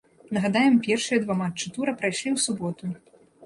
Нагадаем, першыя два матчы тура прайшлі ў суботу.